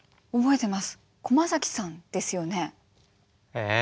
え？